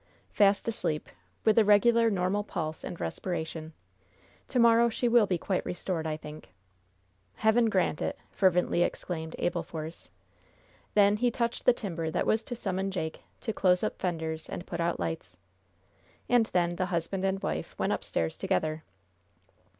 "Fast asleep, with a regular, normal pulse and respiration. To morrow she will be quite restored, I think." "Heaven grant it!" fervently exclaimed Abel Force. Then he touched the timbre that was to summon Jake, to close up fenders and put out lights. And then the husband and wife went upstairs together.